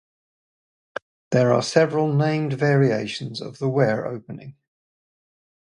There are several named variations of the Ware Opening.